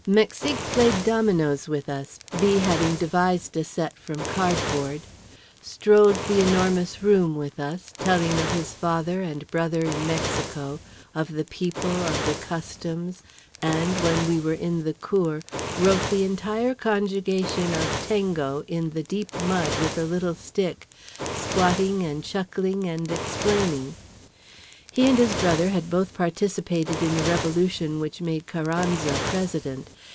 Mexique played dominoes with us (B. having devised a set from card board), strolled The Enormous Room with us, telling of his father and brother in Mexico, of the people, of the customs; and—when we were in the cour—wrote the entire conjugation of tengo in the deep mud with a little stick, squatting and chuckling and explaining. He and his brother had both participated in the revolution which made Carranza president.